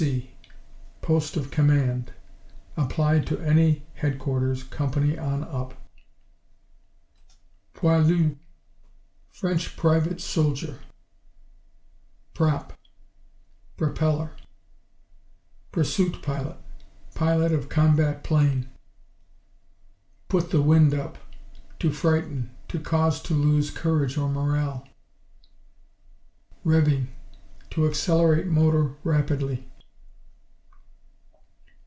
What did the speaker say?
P.C. Post of Command. Applied to any headquarters company on up. Poilu French private soldier. Prop Propeller. Pursuit pilot Pilot of combat plane. Put the wind up To frighten; to cause to lose courage or morale. Revving To accelerate motor rapidly.